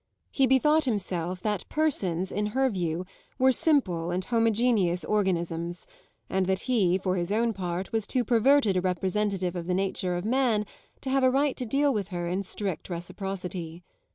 He bethought himself that persons, in her view, were simple and homogeneous organisms, and that he, for his own part, was too perverted a representative of the nature of man to have a right to deal with her in strict reciprocity.